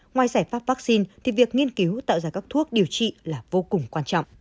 ngoài giải pháp vaccine thì việc nghiên cứu tạo ra các thuốc điều trị là vô cùng quan trọng